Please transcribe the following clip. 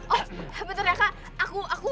oh beternya kak